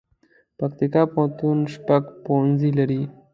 پکتيکا پوهنتون شپږ پوهنځي لري